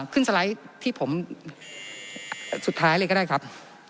สไลด์ที่ผมสุดท้ายเลยก็ได้ครับ